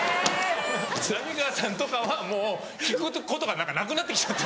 浪川さんとかはもう聞くことが何かなくなって来ちゃった。